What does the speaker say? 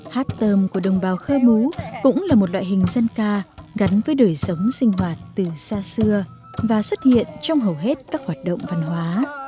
hát tôm của đồng bào khơ mú cũng là một loại hình dân ca gắn với đời sống sinh hoạt từ xa xưa và xuất hiện trong hầu hết các hoạt động văn hóa